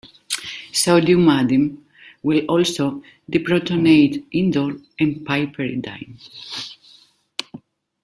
Sodium amide will also deprotonate indole and piperidine.